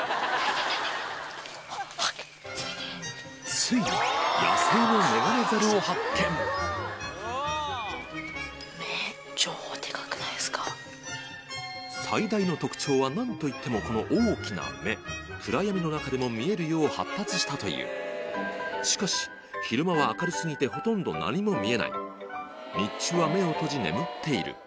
ついに野生のメガネザルを発見最大の特徴はなんといってもこの大きな目暗闇の中でも見えるよう発達したというしかし昼間は明るすぎてほとんど何も見えない日中は目を閉じ眠っている